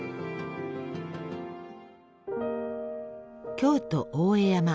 京都大江山。